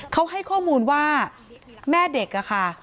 เขาให้ข้อมูลว่าแม่เด็กอะค่ะ